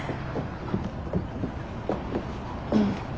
うん。